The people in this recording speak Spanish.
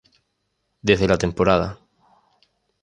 Desde la temporada.